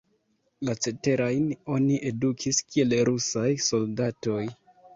La ceterajn oni edukis kiel rusaj soldatoj.